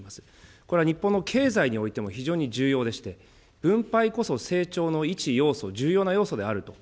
これは日本の経済においても非常に重要でして、分配こそ成長の一要素、重要な要素であると。